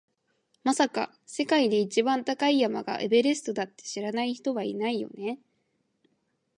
まさか、世界で一番高い山がエベレストだって知らない人はいないよね？